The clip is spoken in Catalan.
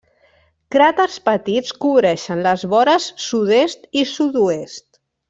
Cràters petits cobreixen les vores sud-est i sud-oest.